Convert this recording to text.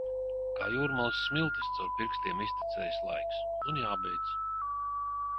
Kā jūrmalas smiltis caur pirkstiem iztecējis laiks un jābeidz.